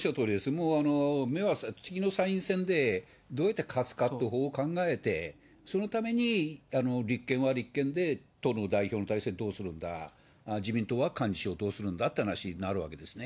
もう、目は、次の参議院選でどうやって勝つかという方法を考えて、そのために立憲は立憲で、党の代表はどうするんだ、自民党は幹事長をどうするんだって話になるわけですね。